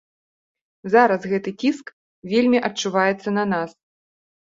Зараз гэты ціск вельмі адчуваецца на нас.